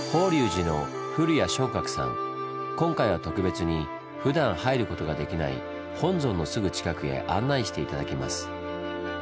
今回は特別にふだん入ることができない本尊のすぐ近くへ案内して頂きます。